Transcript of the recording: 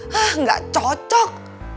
hah gak cocok